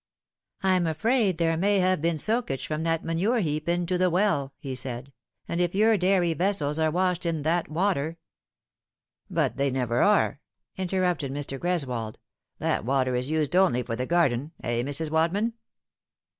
" I'm afraid there may have been soakage from that manure^ heap into the well," he said ;" and if your dairy vessels are washed in that water "" But they never are," interrupted Mr. Greswold ;" that tfater is used only for the garden eh, Mrs. Wadman